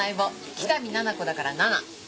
北見菜々子だからナナ。